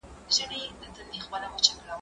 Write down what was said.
زه به سبا مېوې راټولې کړم